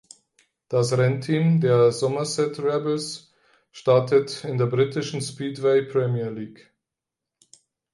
Das Rennteam der Somerset Rebels startet in der britischen Speedway Premier League.